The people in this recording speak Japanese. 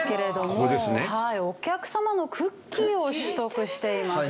「お客様のクッキーを取得しています」